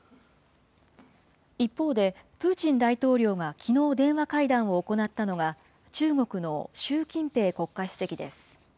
一方で、プーチン大統領がきのう電話会談を行ったのが、中国の習近平国家主席です。